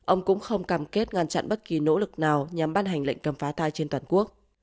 ông cũng không cam kết ngăn chặn bất kỳ nỗ lực nào nhằm ban hành lệnh cấm phá thai trên toàn quốc